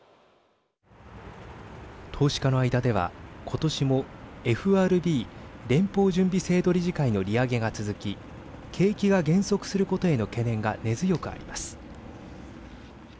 投資家の間では、今年もＦＲＢ＝連邦準備制度理事会の利上げが続き景気が減速することへの懸念が根強くあります。